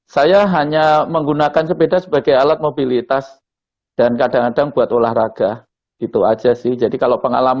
saya hanya menggunakan sepeda sebagai alat mobilitas dan kadang kadang buat olahraga gitu aja sih jadi kalau pengalaman